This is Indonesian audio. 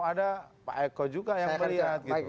ada pak eko juga yang melihat